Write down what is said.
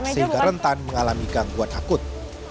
sehingga rentan mengalami gangguan akut